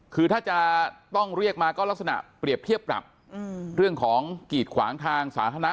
คือถ้าจะต้องเรียกมาก็ลักษณะเปรียบเทียบปรับเรื่องของกีดขวางทางสาธารณะ